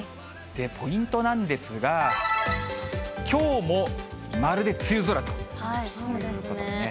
ポイントなんですが、きょうもまるで梅雨空ということでね。